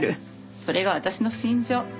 それが私の信条。